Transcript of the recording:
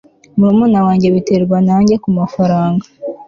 murumuna wanjye biterwa nanjye kumafaranga